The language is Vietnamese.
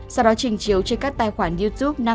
sau đó trình chiếu trên các tài khoản youtube